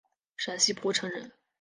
陕西蒲城人。